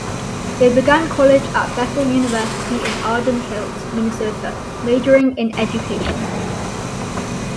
They began college at Bethel University in Arden Hills, Minnesota, majoring in education.